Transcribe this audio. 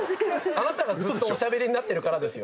あなたがずっとおしゃべりになってるからですよ。